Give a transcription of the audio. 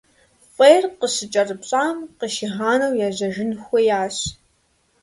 Фӏейр къыщыкӏэрыпщӏам къыщигъанэу ежьэжын хуеящ.